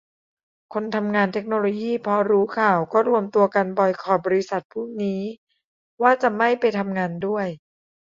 คนทำงานเทคโนโลยีพอรู้ข่าวก็รวมตัวกันบอยคอตบริษัทพวกนี้ ว่าจะไม่ไปทำงานด้วย